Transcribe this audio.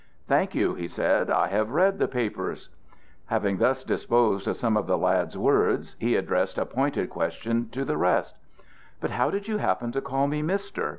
"Thank you," he said, "I have read the papers." Having thus disposed of some of the lad's words, he addressed a pointed question to the rest: "But how did you happen to call me mister?